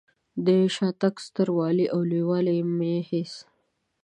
د شاتګ ستر والی او لوی والی مې هېڅ.